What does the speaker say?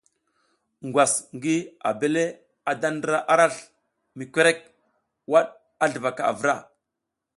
Ngwasa ngi abel a da ndra arasl mi korek, waɗ a sluvaka avura.